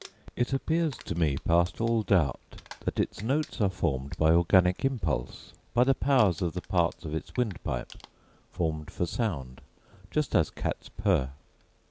It appears to me past all doubt that its notes are formed by organic impulse, by the powers of the parts of its windpipe, formed for sound, just as cats pur.